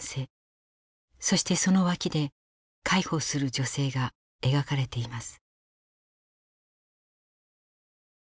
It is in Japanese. そしてその脇で介抱する女性が描かれています。